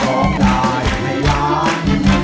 ร้องได้พยายาม